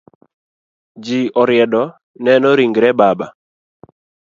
Ji oriedo neno ringre baba.